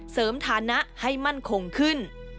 เสริมฐานะให้มั่นข่งขึ้น